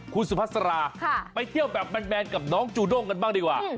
คุณสุภาษาราไปเที่ยวแบบแมนกับน้องจูด้งกันบ้างดีกว่า